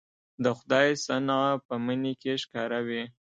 د خدای صنع په مني کې ښکاره وي